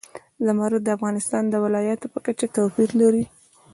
زمرد د افغانستان د ولایاتو په کچه توپیر لري.